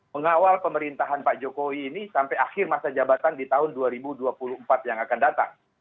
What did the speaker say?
mengawal pemerintahan pak jokowi ini sampai akhir masa jabatan di tahun dua ribu dua puluh empat yang akan datang